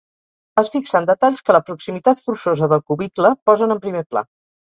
Es fixa en detalls que la proximitat forçosa del cubicle posen en primer pla.